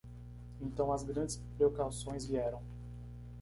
Então as grandes precauções vieram.